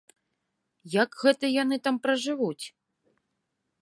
Як гэта яны там пражывуць?